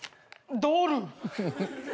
ドル！